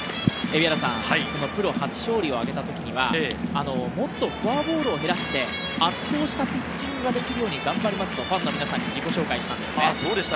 そのプロ初勝利を挙げたときには、もっとフォアボールを減らして、圧倒したピッチングができるように頑張りますとファンの皆さんに自己紹介したんですね。